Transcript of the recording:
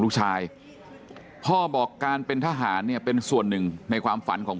ลูกชายพ่อบอกการเป็นทหารเนี่ยเป็นส่วนหนึ่งในความฝันของ